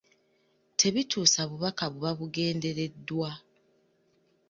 Tebituusa bubaka buba bugendereddwa.